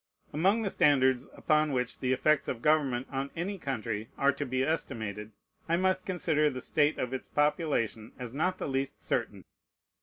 Among the standards upon which the effects of government on any country are to be estimated, I must consider the state of its population as not the least certain.